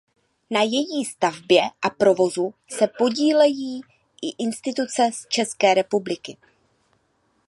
Na její stavbě a provozu se podílejí i instituce z České republiky.